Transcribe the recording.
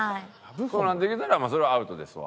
そうなってきたらまあそれはアウトですわ。